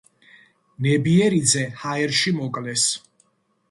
ნებიერიძე ჰაერში მოკლეს.